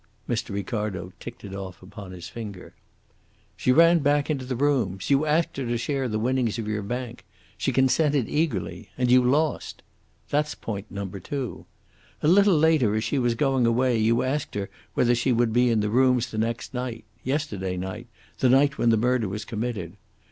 Mr. Ricardo ticked it off upon his finger. "She ran back into the rooms. You asked her to share the winnings of your bank. She consented eagerly. And you lost. That's point number two. A little later, as she was going away, you asked her whether she would be in the rooms the next night yesterday night the night when the murder was committed.